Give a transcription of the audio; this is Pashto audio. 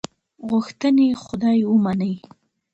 غوښتنې خدای ومني.